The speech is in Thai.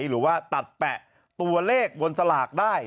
หรือว่าตัดแปะตัวเลขบนสลากได้